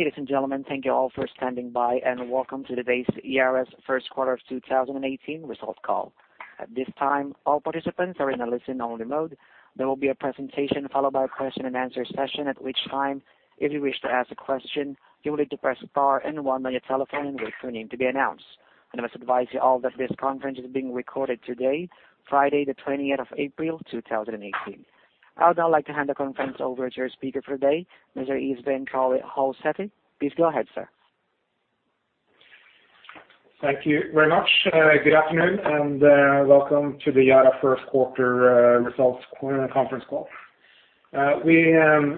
Ladies and gentlemen, thank you all for standing by, and welcome to today's Yara's first quarter 2018 results call. At this time, all participants are in a listen-only mode. There will be a presentation, followed by a question and answer session, at which time, if you wish to ask a question, you will need to press star and one on your telephone and wait for your name to be announced. I must advise you all that this conference is being recorded today, Friday, the 20th of April, 2018. I would now like to hand the conference over to your speaker for today, Mr. Svein Tore Holsether. Please go ahead, sir. Thank you very much. Good afternoon, and welcome to the Yara first quarter results conference call. We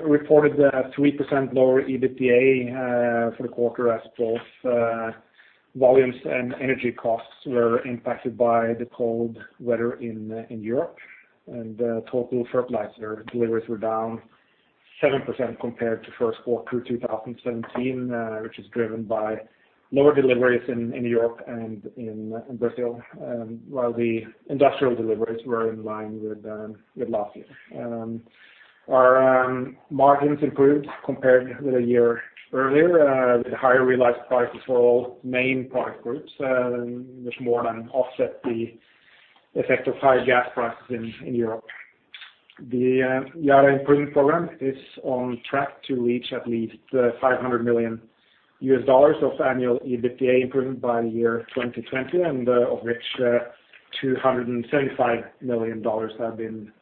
reported a 3% lower EBITDA for the quarter as both volumes and energy costs were impacted by the cold weather in Europe. Total fertilizer deliveries were down 7% compared to first quarter 2017, which is driven by lower deliveries in Europe and in Brazil, while the industrial deliveries were in line with last year. Our margins improved compared with a year earlier, with higher realized prices for all main product groups, which more than offset the effect of high gas prices in Europe. The Yara Improvement Program is on track to reach at least the $500 million of annual EBITDA improvement by the year 2020. Of which $275 million have been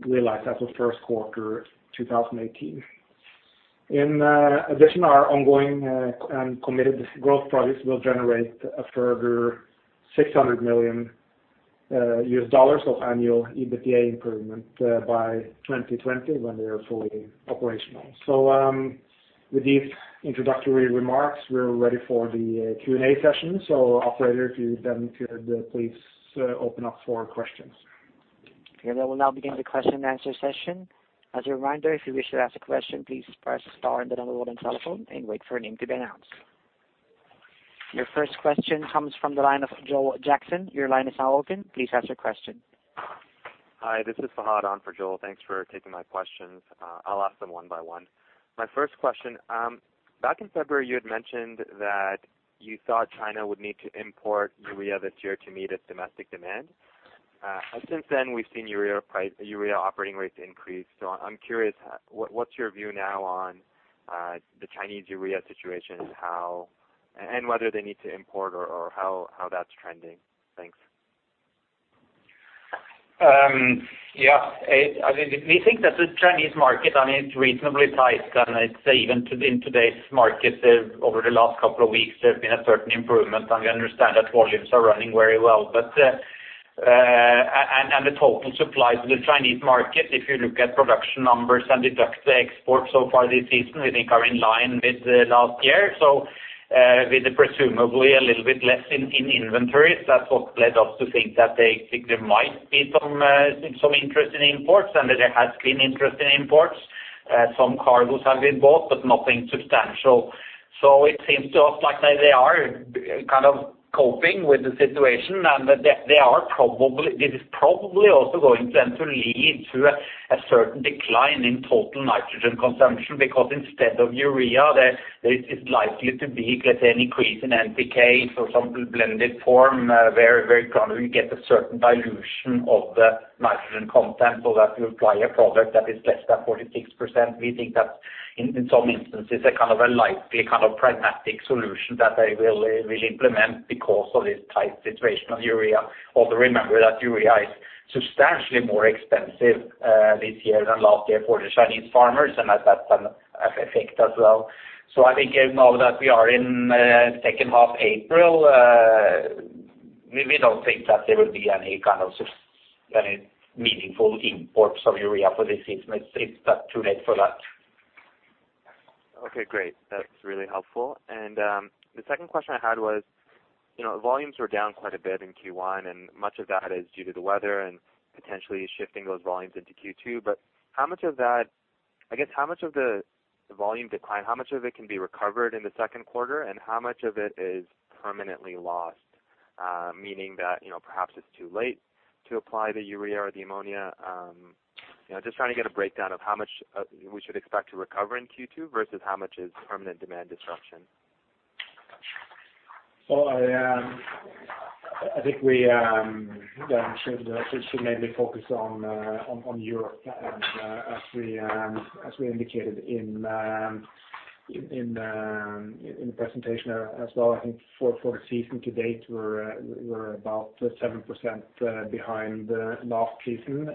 realized as of first quarter 2018. In addition, our ongoing and committed growth projects will generate a further $600 million of annual EBITDA improvement by 2020 when they are fully operational. With these introductory remarks, we're ready for the Q&A session. Operator, if you then could please open up for questions. Okay, we'll now begin the question and answer session. As a reminder, if you wish to ask a question, please press star and the number one on telephone and wait for your name to be announced. Your first question comes from the line of Joel Jackson. Your line is now open. Please ask your question. Hi, this is Fahad on for Joel. Thanks for taking my questions. I will ask them one by one. My first question, back in February, you had mentioned that you thought China would need to import urea this year to meet its domestic demand. Since then, we have seen urea operating rates increase. I am curious, what is your view now on the Chinese urea situation and whether they need to import or how that is trending? Thanks. We think that the Chinese market, it is reasonably tight, and even in today's market, over the last couple of weeks, there has been a certain improvement, and we understand that volumes are running very well. The total supply to the Chinese market, if you look at production numbers and deduct the exports so far this season, we think are in line with last year. With presumably a little bit less in inventories, that is what led us to think that there might be some interest in imports and that there has been interest in imports. Some cargoes have been bought, but nothing substantial. It seems to us like they are kind of coping with the situation, and this is probably also going then to lead to a certain decline in total nitrogen consumption because instead of urea, there is likely to be an increase in NPK or some blended form, where very commonly you get a certain dilution of the nitrogen content so that you apply a product that is less than 46%. We think that in some instances, a kind of a likely kind of pragmatic solution that they will implement because of this tight situation on urea. Although remember that urea is substantially more expensive this year than last year for the Chinese farmers, and that has an effect as well. I think now that we are in the second half April, we do not think that there will be any kind of any meaningful imports of urea for this season. It is too late for that. Okay, great. That's really helpful. The second question I had was, volumes were down quite a bit in Q1, much of that is due to the weather and potentially shifting those volumes into Q2, but I guess how much of the volume decline can be recovered in the second quarter, and how much of it is permanently lost, meaning that perhaps it's too late to apply the urea or the ammonia? Just trying to get a breakdown of how much we should expect to recover in Q2 versus how much is permanent demand disruption. I think we should mainly focus on Europe as we indicated in the presentation as well. I think for the season to date, we're about 7% behind last season,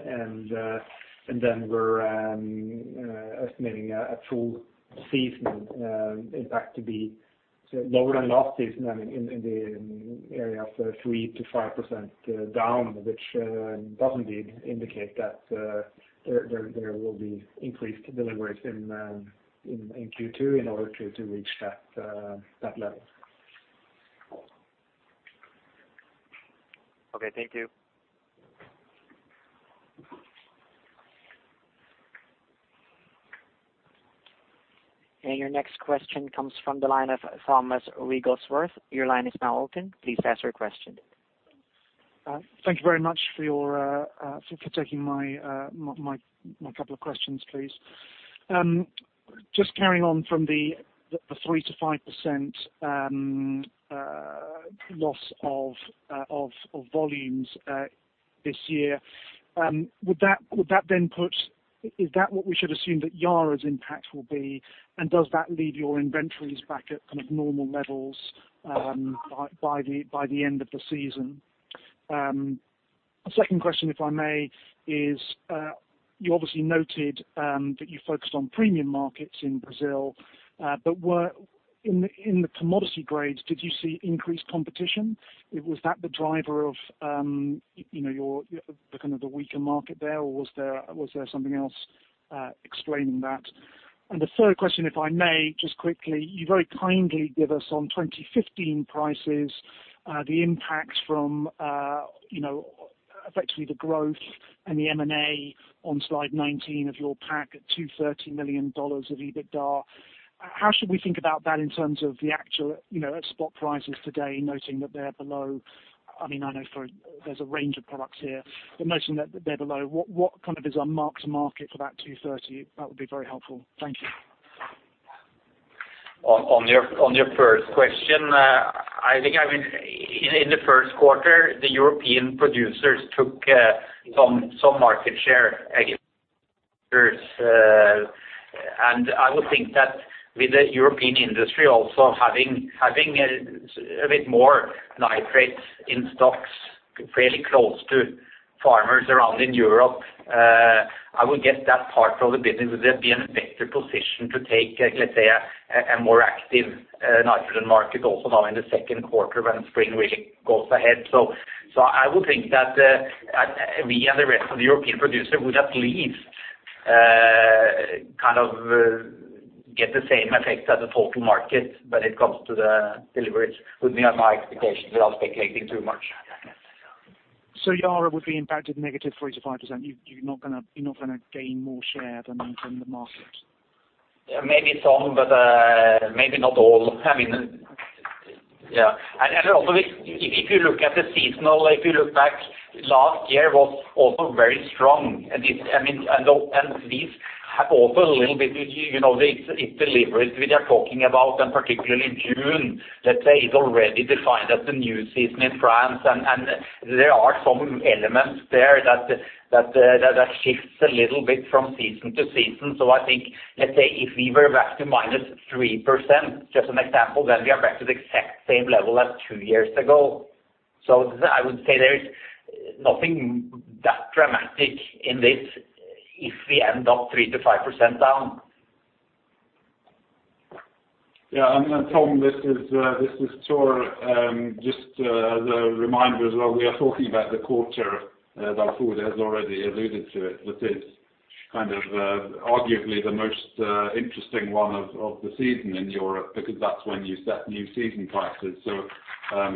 we're estimating a full season impact to be lower than last season, in the area of 3%-5% down, which does indeed indicate that there will be increased deliveries in Q2 in order to reach that level. Okay, thank you. Your next question comes from the line of Thomas Wigglesworth. Your line is now open. Please ask your question. Thank you very much for taking my couple of questions, please. Just carrying on from the 3%-5% loss of volumes this year. Is that what we should assume that Yara's impact will be, and does that leave your inventories back at kind of normal levels by the end of the season? Second question, if I may, is you obviously noted that you focused on premium markets in Brazil, but in the commodity grades, did you see increased competition? Was that the driver of the kind of weaker market there, or was there something else explaining that? The third question, if I may, just quickly, you very kindly give us on 2015 prices, the impact from effectively the growth and the M&A on slide 19 of your pack at $230 million of EBITDA. How should we think about that in terms of the actual spot prices today, noting that they're below, I know there's a range of products here, but noting that they're below, what kind of is our mark-to-market for that 230? That would be very helpful. Thank you. On your first question, I think in the first quarter, the European producers took some market share against. I would think that with the European industry also having a bit more nitrates in stocks fairly close to farmers around in Europe, I would guess that part of the business will then be in a better position to take, let's say, a more active nitrogen market also now in the second quarter when spring really goes ahead. I would think that we and the rest of the European producers would at least kind of get the same effect as the total market when it comes to the deliveries, would be my expectation without speculating too much. Yara would be impacted negative 3%-5%. You're not going to gain more share than the market. Maybe some, but maybe not all. I mean, yeah. Also, if you look at the seasonal, if you look back, last year was also very strong. These have also a little bit, it's deliveries we are talking about, and particularly June, let's say, is already defined as the new season in France. There are some elements there that shifts a little bit from season to season. I think, let's say if we were back to -3%, just an example, then we are back to the exact same level as two years ago. I would say there is nothing that dramatic in this if we end up 3%-5% down. Yeah, Tom, this is Thor. Just the reminder as well, we are talking about the quarter that Odd has already alluded to, which is kind of arguably the most interesting one of the season in Europe, because that's when you set new season prices.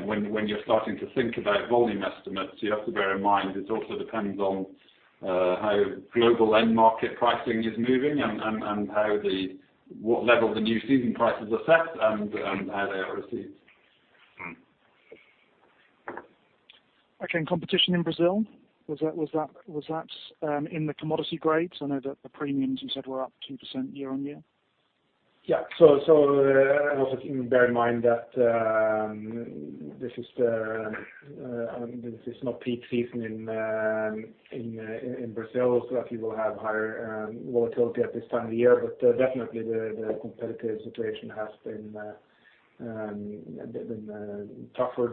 When you're starting to think about volume estimates, you have to bear in mind it also depends on how global end market pricing is moving and what level the new season prices are set and how they are received. Okay. Competition in Brazil, was that in the commodity grades? I know that the premiums you said were up 2% year-on-year. Yeah. Also bear in mind that this is not peak season in Brazil. You will have higher volatility at this time of the year. Definitely the competitive situation has been tougher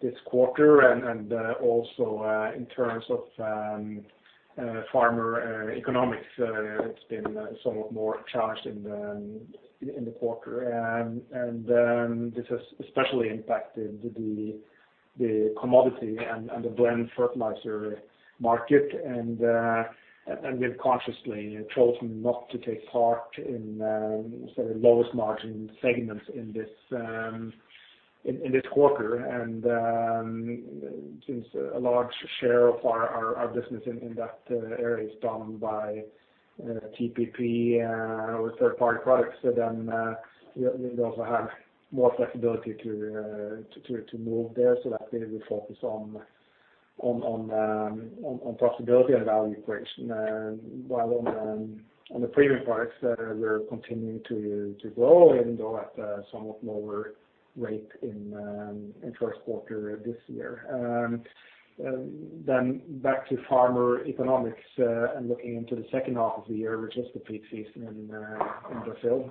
this quarter, and also in terms of farmer economics, it's been somewhat more challenged in the quarter. This has especially impacted the commodity and the blend fertilizer market. We've consciously chosen not to take part in the lowest margin segments in this quarter. Since a large share of our business in that area is done by TPP or third-party products, so then we also have more flexibility to move there so that we focus on profitability and value creation. While on the premium products, we're continuing to grow, even though at a somewhat lower rate in the first quarter this year. Back to farmer economics and looking into the second half of the year, which is the peak season in Brazil.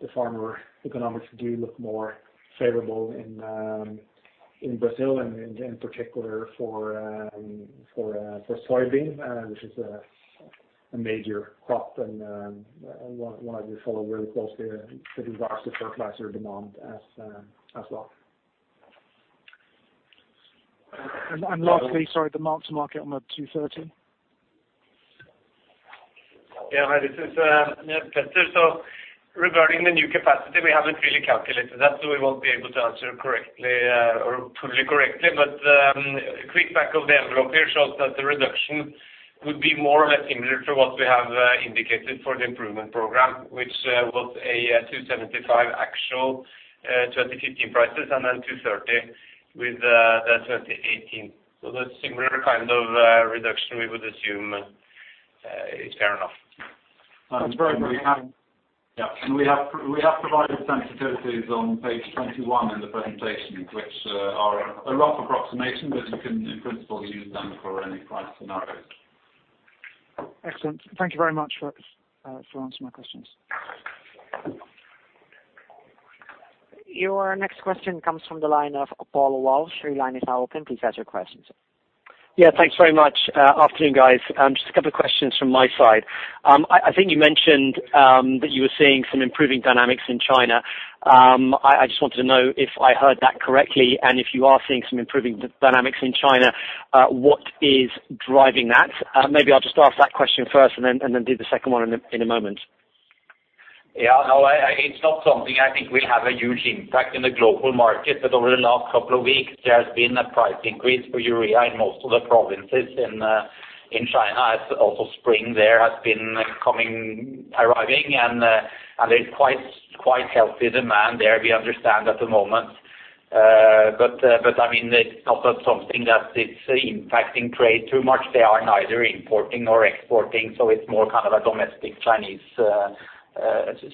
The farmer economics do look more favorable in Brazil, and in particular for soybean, which is a major crop and one that we follow very closely with regards to fertilizer demand as well. Lastly, sorry, the mark-to-market on the 230. Yeah. Hi, this is Petter. Regarding the new capacity, we haven't really calculated that, so we won't be able to answer correctly or fully correctly, but A quick back-of-the-envelope here shows that the reduction would be more or less similar to what we have indicated for the Yara Improvement Program, which was a 275 actual 2015 prices and then 230 with the 2018. That similar kind of reduction we would assume is fair enough. We have provided sensitivities on page 21 in the presentation, which are a rough approximation, but you can in principle use them for any price scenarios. Excellent. Thank you very much for answering my questions. Your next question comes from the line of Paul Walsh. Your line is now open. Please ask your questions. Yeah. Thanks very much. Afternoon, guys. Just a couple of questions from my side. I think you mentioned that you were seeing some improving dynamics in China. I just wanted to know if I heard that correctly, and if you are seeing some improving dynamics in China, what is driving that? Maybe I'll just ask that question first and then do the second one in a moment. Yeah, it's not something I think will have a huge impact in the global market. Over the last couple of weeks, there has been a price increase for urea in most of the provinces in China. It's also spring there, has been arriving, and there's quite healthy demand there, we understand at the moment. It's not something that it's impacting trade too much. They are neither importing nor exporting, so it's more kind of a domestic Chinese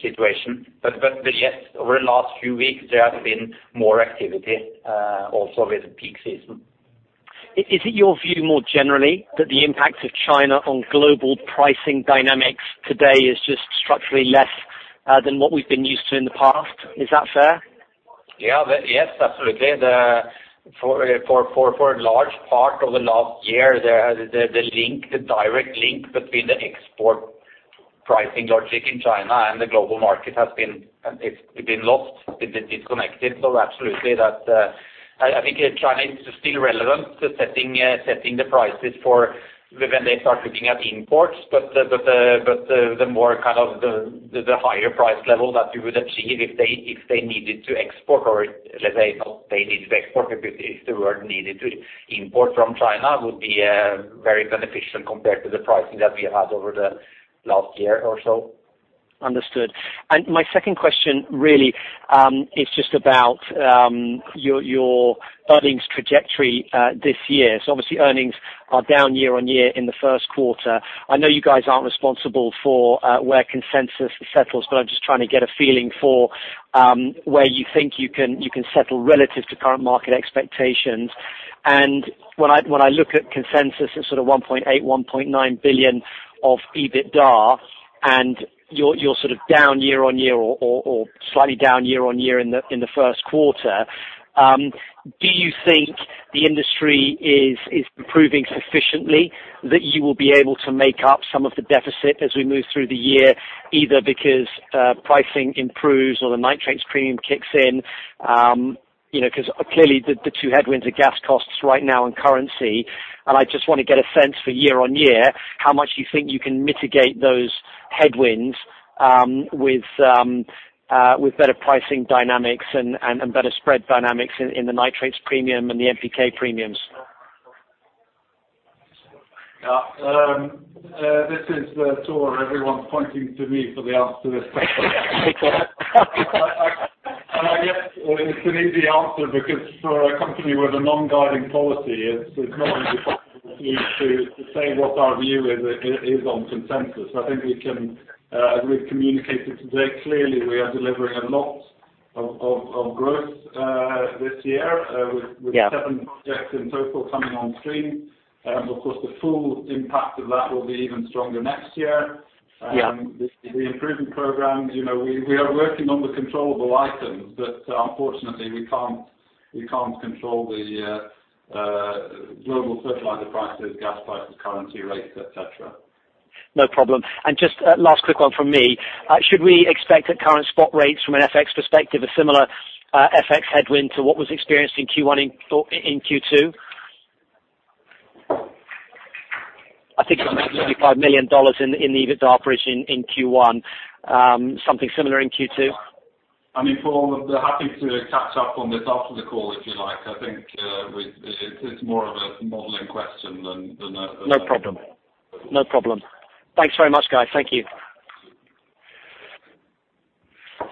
situation. Yes, over the last few weeks, there has been more activity also with the peak season. Is it your view more generally that the impact of China on global pricing dynamics today is just structurally less than what we've been used to in the past? Is that fair? Yes, absolutely. For a large part of the last year, the direct link between the export pricing logic in China and the global market has been lost, been disconnected. Absolutely. I think China is still relevant to setting the prices for when they start looking at imports, the higher price level that we would achieve if they needed to export, or let's say not they needed to export, but if they were needed to import from China, would be very beneficial compared to the pricing that we had over the last year or so. Understood. My second question really is just about your earnings trajectory this year. Obviously earnings are down year-on-year in the first quarter. I know you guys aren't responsible for where consensus settles, I'm just trying to get a feeling for where you think you can settle relative to current market expectations. When I look at consensus at sort of 1.8 billion, 1.9 billion of EBITDA and you're down year-on-year or slightly down year-on-year in the first quarter, do you think the industry is improving sufficiently that you will be able to make up some of the deficit as we move through the year, either because pricing improves or the nitrates premium kicks in? The two headwinds are gas costs right now and currency, and I just want to get a sense for year-on-year, how much you think you can mitigate those headwinds with better pricing dynamics and better spread dynamics in the nitrates premium and the NPK premiums. This is Thor. Everyone's pointing to me for the answer to this question. I guess it's an easy answer because for a company with a non-guiding policy, it's not easy for me to say what our view is on consensus. I think we've communicated today clearly we are delivering a lot of growth this year. Yeah We have seven projects in total coming on stream. Of course, the full impact of that will be even stronger next year. Yeah. The Improvement Programs, we are working on the controllable items, but unfortunately, we can't control the global fertilizer prices, gas prices, currency rates, et cetera. No problem. Just last quick one from me. Should we expect at current spot rates from an FX perspective, a similar FX headwind to what was experienced in Q2? I think it was NOK 75 million in the EBITDA bridge in Q1. Something similar in Q2? I mean, Paul, I'm happy to catch up on this after the call if you like. I think it's more of a modeling question than. No problem. Thanks very much, guys. Thank you.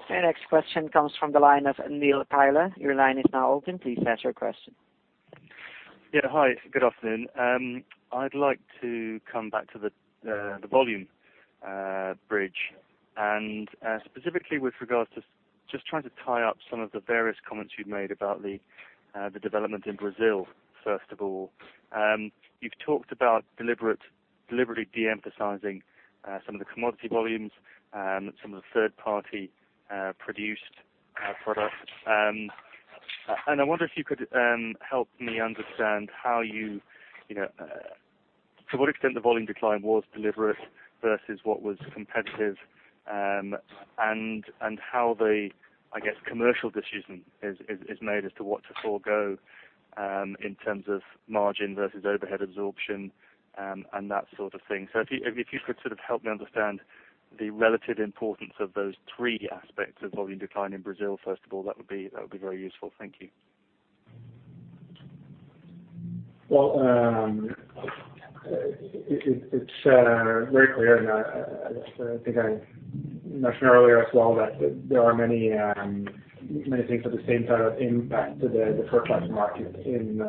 The next question comes from the line of Neil Tyler. Your line is now open. Please ask your question. Yeah. Hi. Good afternoon. I'd like to come back to the volume bridge, specifically with regards to just trying to tie up some of the various comments you've made about the development in Brazil, first of all. You've talked about deliberately de-emphasizing some of the commodity volumes and some of the third party produced products. I wonder if you could help me understand to what extent the volume decline was deliberate versus what was competitive and how the, I guess, commercial decision is made as to what to forego in terms of margin versus overhead absorption and that sort of thing. If you could help me understand the relative importance of those three aspects of volume decline in Brazil, first of all, that would be very useful. Thank you. Well, it's very clear, I think I mentioned earlier as well, that there are many things at the same time that impact the fertilizer market in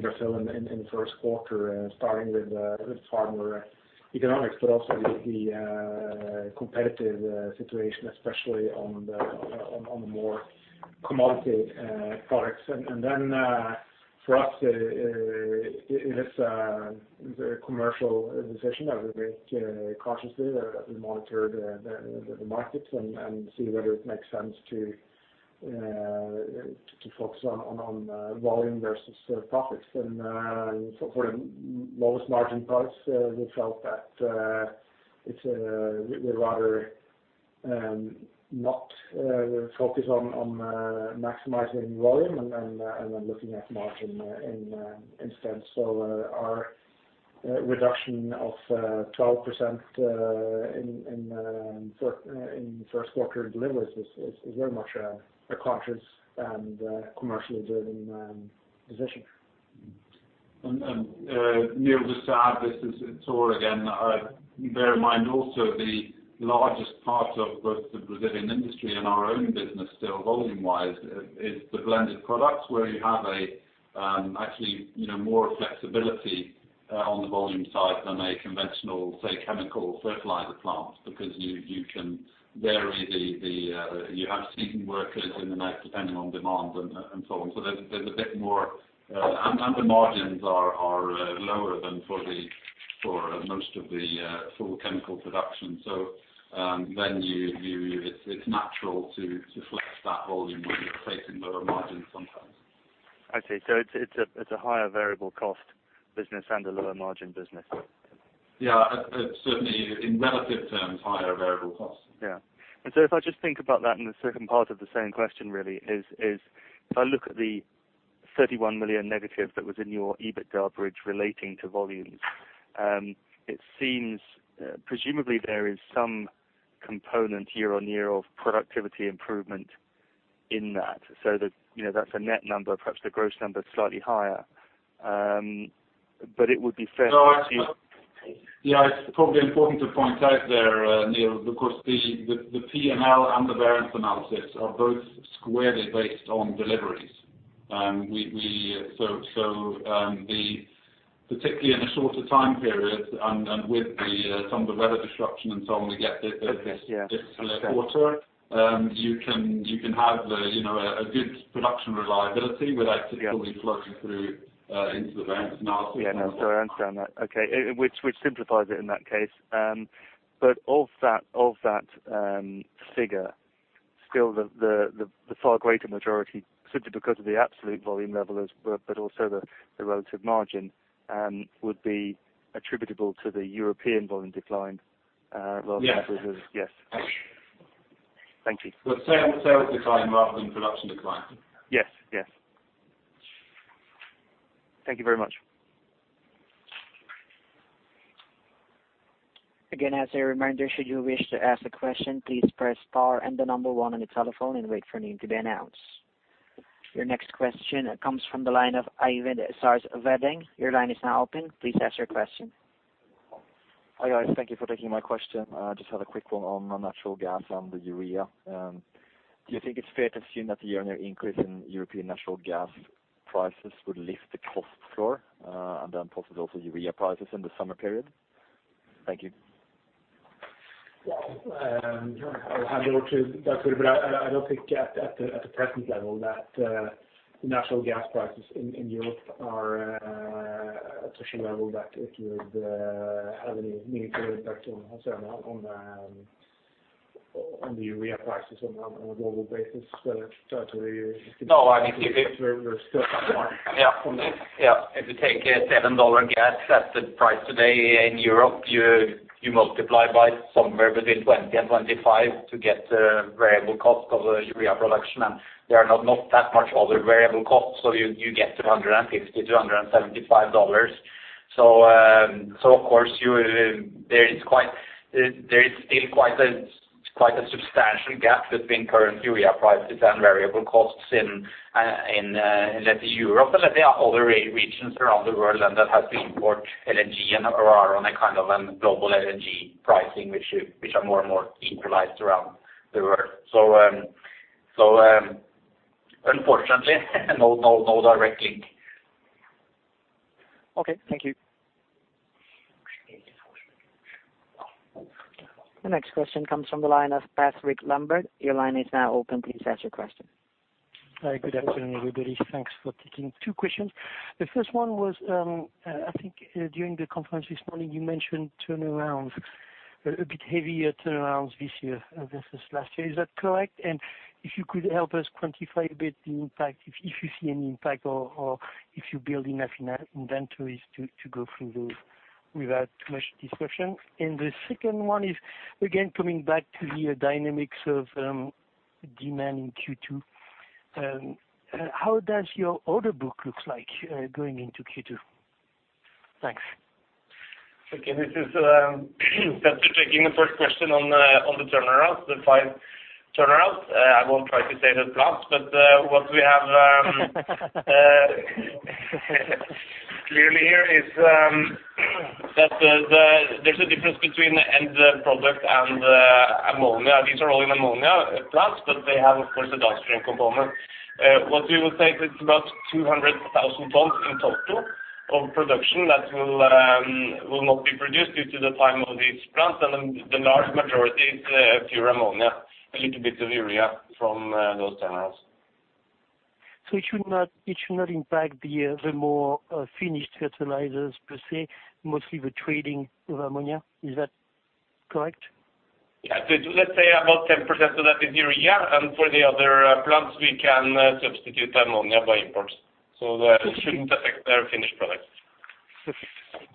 Brazil in the first quarter, starting with farmer economics, also with the competitive situation, especially on the more commodity products. For us, it is a commercial decision that we make cautiously, that we monitor the markets and see whether it makes sense to focus on volume versus profits. For the lowest margin products, we felt that we'd rather not focus on maximizing volume and then looking at margin instead. Our reduction of 12% in first quarter deliveries is very much a conscious and commercially driven decision. Neil, just to add, this is Thor again. Bear in mind also the largest part of both the Brazilian industry and our own business still volume-wise, is the blended products where you have actually more flexibility on the volume side than a conventional, say, chemical fertilizer plant because you have season workers in the night depending on demand and so on. So there's a bit more. The margins are lower than for most of the full chemical production. It's natural to flex that volume when you're taking lower margins sometimes. I see. It's a higher variable cost business and a lower margin business. Certainly in relative terms, higher variable costs. If I just think about that in the second part of the same question really is if I look at the 31 million negative that was in your EBITDA bridge relating to volumes, it seems presumably there is some component year-on-year of productivity improvement in that so that's a net number, perhaps the gross number is slightly higher. It would be fair to assume. It's probably important to point out there, Neil, of course, the P&L and the variance analysis are both squarely based on deliveries. Particularly in the shorter time periods and with some of the weather disruption and so on, we get this. Okay. Yeah. this quarter. You can have a good production reliability without typically flowing through into the variance analysis. Yeah. No, sorry, I understand that. Okay. Which simplifies it in that case. Of that figure, still the far greater majority, simply because of the absolute volume level but also the relative margin would be attributable to the European volume decline rather than- Yes. Yes. Thank you. The sales decline rather than production decline. Yes. Yes. Thank you very much. Again, as a reminder, should you wish to ask a question, please press star and the number 1 on your telephone and wait for your name to be announced. Your next question comes from the line of Eivind Sars Wedde. Your line is now open. Please ask your question. Hi, guys. Thank you for taking my question. Just had a quick one on natural gas and the urea. Do you think it's fair to assume that the year-over-year increase in European natural gas prices would lift the cost floor? Possibly also urea prices in the summer period? Thank you. Well, I'll hand over to Dagfinn, but I don't think at the present level that natural gas prices in Europe are at a sufficient level that it would have any meaningful impact on the urea prices on a global basis. Dagfinn, do you disagree? No, I mean. We're still some mark from that. Yeah. If you take NOK 7 gas at the price today in Europe, you multiply by somewhere between 20 and 25 to get the variable cost of the urea production. There are not that much other variable costs. You get NOK 250-NOK 275. Of course, there is still quite a substantial gap between current urea prices and variable costs in, let's say, Europe. There are other regions around the world then that have to import LNG and are on a kind of global LNG pricing, which are more and more equalized around the world. Unfortunately, no direct link. Okay. Thank you. The next question comes from the line of Patrick Lambert. Your line is now open. Please ask your question. Hi. Good afternoon, everybody. Thanks for taking two questions. The first one was I think during the conference this morning you mentioned turnarounds, a bit heavier turnarounds this year versus last year. Is that correct? If you could help us quantify a bit the impact, if you see any impact or if you build enough inventories to go through those without too much disruption. The second one is, again, coming back to the dynamics of demand in Q2, how does your order book looks like going into Q2? Thanks. Okay, this is Petter taking the first question on the turnaround, the five turnaround. I won't try to say that fast. What we have clearly here is that there's a difference between end product and ammonia. These are all in ammonia plants, but they have, of course, a downstream component. What we will say is it's about 200,000 tons in total of production that will not be produced due to the time of these plants. The large majority is pure ammonia, a little bit of urea from those turnarounds. It should not impact the more finished fertilizers per se, mostly the trading of ammonia. Is that correct? Yeah. Let's say about 10%. That is urea, and for the other plants, we can substitute ammonia by imports, so it shouldn't affect our finished product. Okay.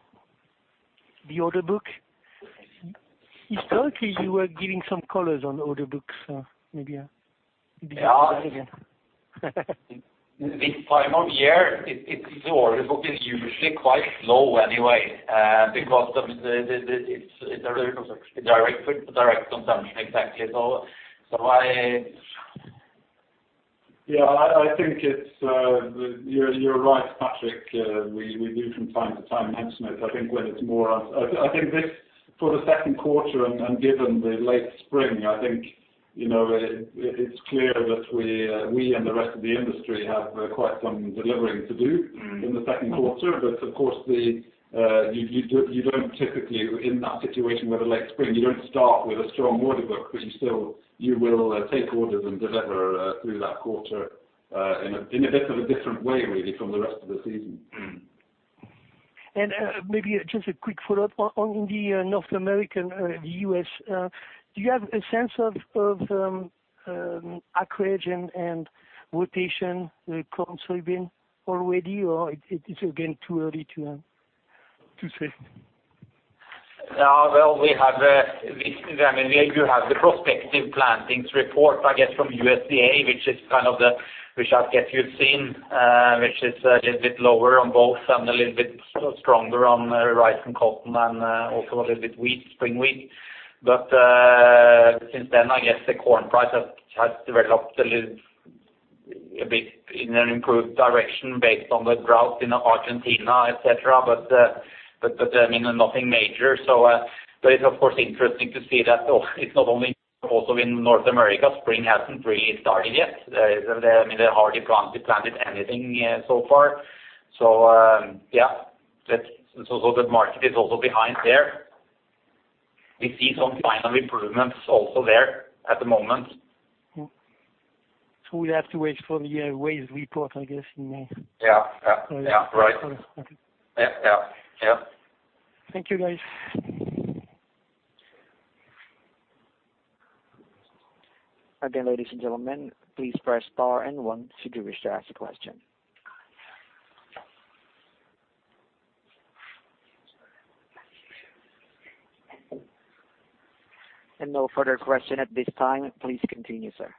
The order book? Historically, you were giving some colors on order books, maybe- Yeah. This time of year, the order book is usually quite slow anyway because, obviously, it's a direct consumption. Exactly. Yeah, I think you're right, Patrick. We do from time to time mention it. I think this, for the second quarter and given the late spring, I think it's clear that we and the rest of the industry have quite some delivering to do in the second quarter. Of course, you don't typically, in that situation with a late spring, you don't start with a strong order book, but you will take orders and deliver through that quarter in a bit of a different way really from the rest of the season. Maybe just a quick follow-up. On the North American, the U.S., do you have a sense of acreage and rotation corn, soybean already, or it is again too early to say? You have the prospective plantings report, I guess, from USDA, which I guess you've seen, which is a little bit lower on both and a little bit stronger on rice and cotton and also a little bit spring wheat. Since then, I guess the corn price has developed a bit in an improved direction based on the drought in Argentina, et cetera. Nothing major. It's of course interesting to see that it's not only also in North America, spring hasn't really started yet. They hardly planted anything so far. Yeah. The market is also behind there. We see some final improvements also there at the moment. We have to wait for the WASDE report, I guess, more. Yeah. Right. Yeah. Thank you, guys. Ladies and gentlemen, please press star and one should you wish to ask a question. No further question at this time. Please continue, sir.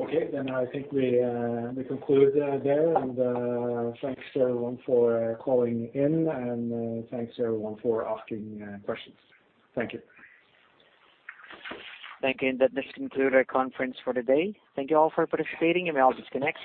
Okay, I think we conclude there, and thanks to everyone for calling in, and thanks to everyone for asking questions. Thank you. Thank you. That does conclude our conference for today. Thank you all for participating, and you may all disconnect.